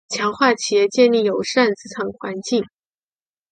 强化企业建立友善职场环境